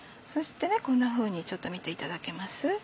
そしてこんなふうにちょっと見ていただけます？